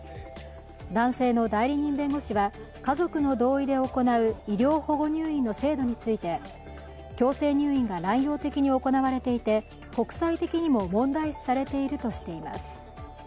男性の代理人弁護士は家族の同意で行う医療保護入院の制度について強制入院が乱用的に行われていて国際的にも問題視されているとしています。